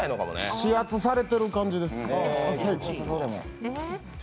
指圧されてる感じです。